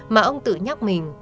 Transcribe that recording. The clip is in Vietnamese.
mà ông tự nhắc mình